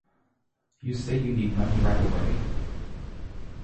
You say you need money right away?